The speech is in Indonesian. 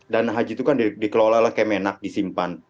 dana haji itu kan dikelola lah kayak menak disimpan